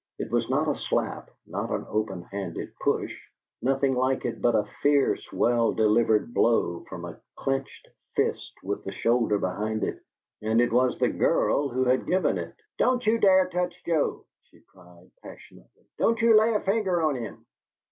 It was not a slap, not an open handed push, nothing like it, but a fierce, well delivered blow from a clinched fist with the shoulder behind it, and it was the girl who had given it. "Don't you dare to touch Joe!" she cried, passionately. "Don't you lay a finger on him."